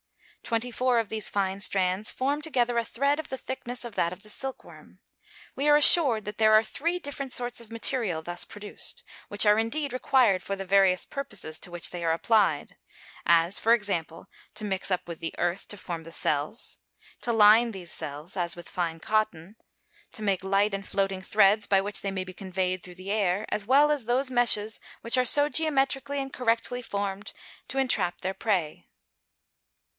Twenty four of these fine strands form together a thread of the thickness of that of the silk worm. We are assured that there are three different sorts of material thus produced, which are indeed required for the various purposes to which they are applied as, for example, to mix up with the earth to form the cells; to line these cells as with fine cotton; to make light and floating threads by which they may be conveyed through the air, as well as those meshes which are so geometrically and correctly formed to entrap their prey.